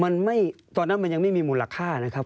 มันไม่ตอนนั้นมันยังไม่มีมูลค่านะครับ